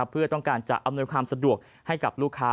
เพื่อต้องการจะอำนวยความสะดวกให้กับลูกค้า